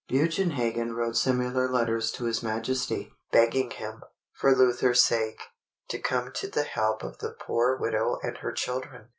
Bugenhagen wrote similar letters to his Majesty, begging him, for Luther's sake, to come to the help of "the poor widow and her children."